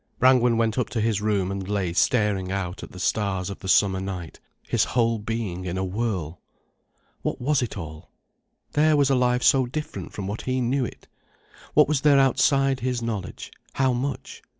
Brangwen went up to his room and lay staring out at the stars of the summer night, his whole being in a whirl. What was it all? There was a life so different from what he knew it. What was there outside his knowledge, how much?